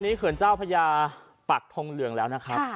วันนี้เขื่อนเจ้าพระยาปักทงเหลืองแล้วนะครับ